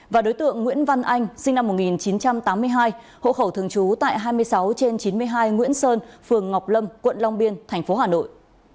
và đối tượng nguyễn văn anh sinh năm một nghìn chín trăm tám mươi hai hộ khẩu thường trú tại hai mươi sáu trên chín mươi hai nguyễn sơn phường ngọc lâm quận long biên tp hà nội